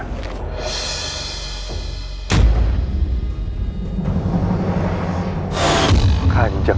hamba sudah berjalan